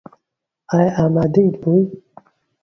ئایا ئامادەیت بۆی؟